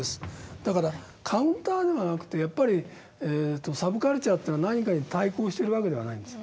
だからカウンターではなくてサブカルチャーっていうのは何かに対抗してるわけではないんですよ。